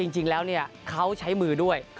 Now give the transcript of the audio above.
จริงแล้วเขาใช้มือด้วย